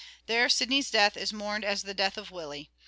There Sidney's death is mourned as the death of Willie.